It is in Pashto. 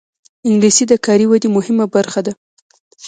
انګلیسي د کاري ودې مهمه برخه ده